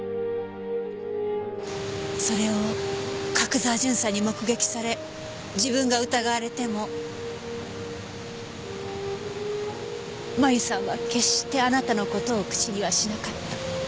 それを角沢巡査に目撃され自分が疑われても麻由さんは決してあなたの事を口にはしなかった。